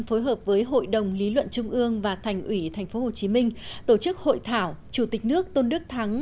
phối hợp với hội đồng lý luận trung ương và thành ủy tp hcm tổ chức hội thảo chủ tịch nước tôn đức thắng